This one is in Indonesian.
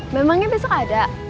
memangnya besok ada